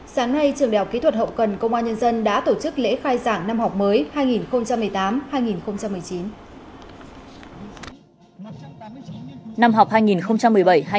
sáng nay trường đại học kỹ thuật hậu cần công an nhân dân đã tổ chức lễ khai giảng năm học mới hai nghìn một mươi tám hai nghìn một mươi chín